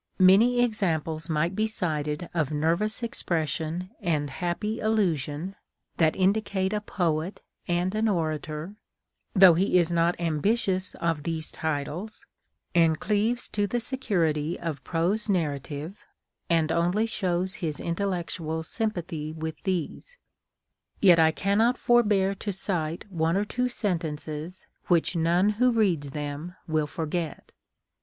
Many examples might be cited of nervous expression and happy allusion, that indicate a poet and an orator, though he is not ambitious of these titles, and cleaves to the security of prose narrative, and only shows his intellectual sympathy with these ; yet I cannot forbear to cite one or two sentences which none Avho reads them will forget.